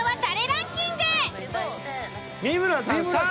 ランキング。